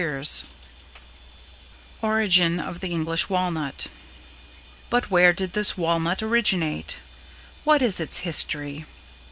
[Sidenote: =Origin of the English Walnut=] But where did this walnut originate? What is its history?